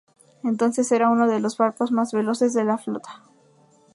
Entonces era uno de los barcos más veloces de la flota.